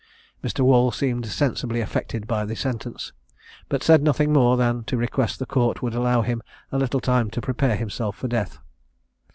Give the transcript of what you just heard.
Mr. Wall seemed sensibly affected by the sentence, but said nothing more than to request the court would allow him a little time to prepare himself for death.